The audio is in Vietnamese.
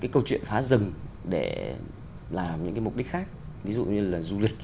câu chuyện phá rừng để làm những mục đích khác ví dụ như là du lịch